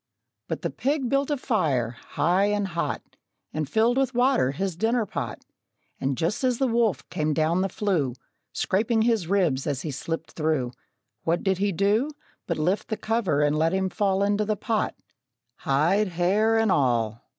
But the pig built a fire, high and hot, And filled with water his dinner pot, And just as the wolf came down the flue, Scraping his ribs as he slipped through, What did he do But lift the cover, and let him fall Into the pot hide, hair and all!